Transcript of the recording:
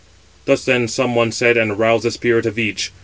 Thus, then, some one said, and aroused the spirit of each.